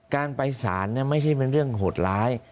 การไปสารไม่ใช่เป็นเรื่องโหดร้าย